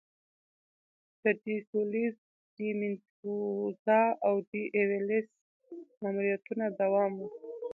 د ډي سولیز، ډي میندوزا او ډي ایولاس ماموریتونه دوام و.